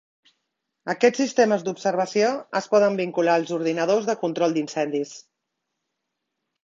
Aquests sistemes d'observació es poden vincular als ordinadors de control d'incendis.